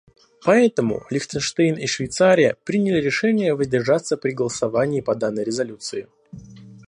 Поэтому Лихтенштейн и Швейцария приняли решение воздержаться при голосовании по данной резолюции.